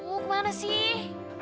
oh kemana sih